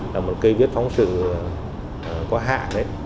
là một cây vết phóng sự có hạ đấy